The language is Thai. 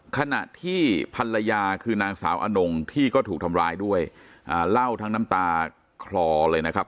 ขณะที่ภรรยาคือนางสาวอนงที่ก็ถูกทำร้ายด้วยอ่าเล่าทั้งน้ำตาคลอเลยนะครับ